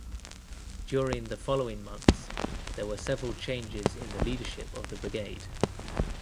During the following months there were several changes in the leadership of the brigade.